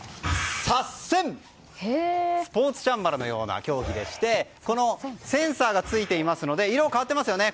スポーツチャンバラのような競技でしてセンサーが付いていますので色が変わっていますよね。